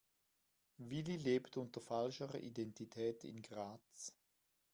Willi lebt unter falscher Identität in Graz.